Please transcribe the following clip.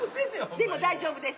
でも大丈夫です。